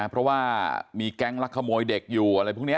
เพราะว่ามีแก๊งลักขโมยเด็กอยู่อะไรพวกนี้